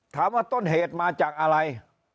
ถามว่าต้นเหตุมาจากอะไร